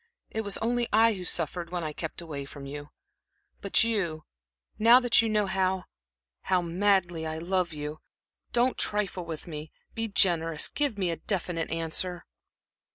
It was only I who suffered when I kept away from you. But you now that you know how how madly I love you don't trifle with me be generous give me a definite answer?"